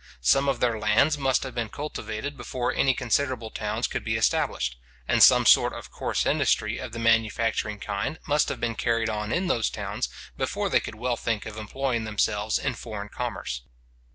Some of their lands must have been cultivated before any considerable towns could be established, and some sort of coarse industry of the manufacturing kind must have been carried on in those towns, before they could well think of employing themselves in foreign commerce.